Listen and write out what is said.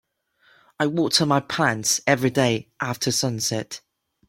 I water my plants everyday after sunset.